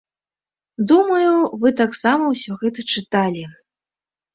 Думаю, вы таксама ўсё гэта чыталі.